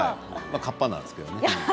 かっぱなんですけれどもね。